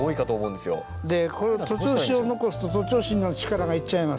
こういう徒長枝を残すと徒長枝に力が行っちゃいますから。